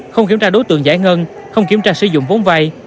không kiểm tra đối tượng giải ngân không kiểm tra sử dụng vốn vay